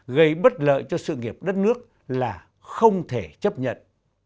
gây bất lợi cho sự nghiệp đất nước là không thể chấp nhận